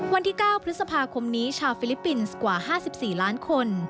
วันที่๙พฤษภาคมนี้ชาวฟิลิปปินส์กว่า๕๔ล้านคน